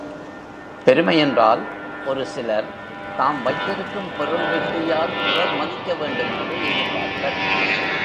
பெருமை என்றால் ஒருசிலர் தாம் வைத்திருக்கும் பொருள் மிகுதியால் பிறர் மதிக்கவேண்டும் என்று எதிர்பார்ப்பர்.